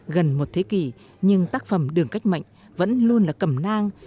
gần một thế kỷ nhưng tác phẩm đường cách mạnh vẫn luôn là cầm nang